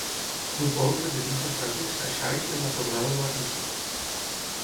RuPaul repeteix la frase Sashay! en la tornada de la cançó.